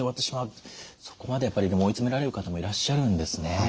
そこまでやっぱり追い詰められる方もいらっしゃるんですね。